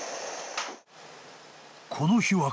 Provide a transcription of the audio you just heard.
［この日は］